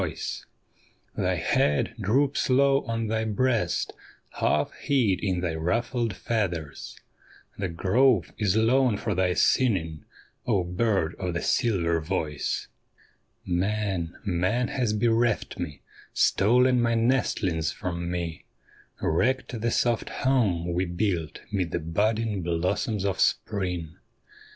C4 A CRY IN THE WORLD 65 Thy head droops low on thy breast, half hid in thy ruffled feathers, The grove is lone for thy singing, O bird of the silver voice I * Man, man has bereft me, stolen my nestlings from me, Wrecked the soft home we built 'mid the budding blossoms of spring.